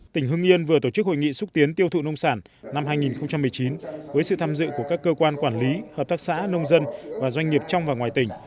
tỉnh hưng yên vừa tổ chức hội nghị xúc tiến tiêu thụ nông sản năm hai nghìn một mươi chín với sự tham dự của các cơ quan quản lý hợp tác xã nông dân và doanh nghiệp trong và ngoài tỉnh